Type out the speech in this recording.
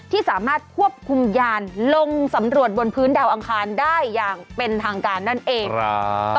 ที่สามารถควบคุมยานลงสำรวจบนพื้นดาวอังคารได้อย่างเป็นทางการนั่นเองครับ